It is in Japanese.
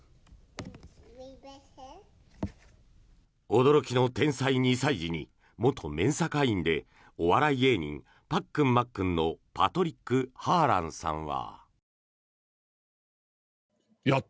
驚きの天才２歳児に元メンサ会員でお笑い芸人、パックンマックンのパトリック・ハーランさんは。